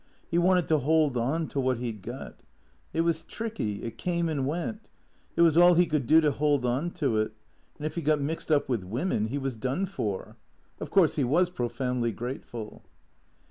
He wanted to hold on to what he 'd got. It was tricky ; it came and went ; it was all he could do to hold on to it; and if he got mixed up with women he was done for. Of course he was profoundly grateful.